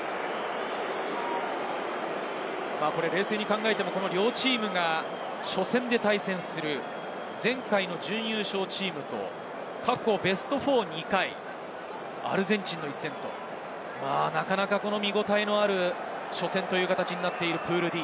冷静に考えても両チームが初戦で対戦する、前回の準優勝チームと、過去ベスト４、２回、アルゼンチンの一戦、なかなか見応えのある初戦という形になっているプールＤ。